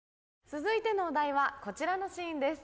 続いてのお題はこちらのシーンです。